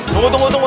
tunggu tunggu tunggu